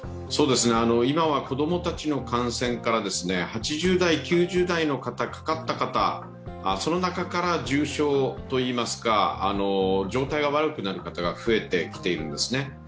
今は子供たちの感染から８０代、９０代でかかった方その中から重症といいますか、状態が悪くなる方が増えてきているんですね。